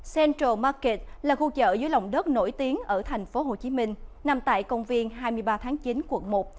central market là khu chợ dưới lòng đất nổi tiếng ở tp hcm nằm tại công viên hai mươi ba tháng chín quận một